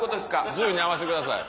銃に合わしてください。